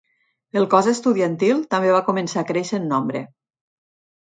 El cos estudiantil també va començar a créixer en nombre.